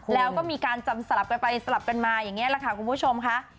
แล้วก็มีการจำสลับกันไปสลับกันมาอย่างนี้แหละค่ะคุณผู้ชมค่ะ